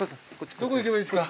どこ行けばいいですか？